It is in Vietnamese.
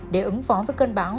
để ứng phó với cơn bão